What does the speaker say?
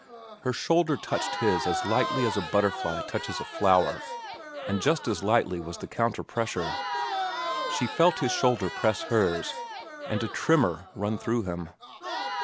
Her shoulder touched his as lightly as a butterfly touches a flower, and just as lightly was the counter pressure. She felt his shoulder press hers, and a tremor run through him.